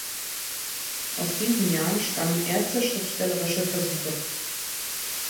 Aus diesen Jahren stammen erste schriftstellerische Versuche.